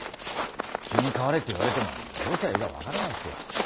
急に変われって言われてもどうしたらいいか分からないですよ。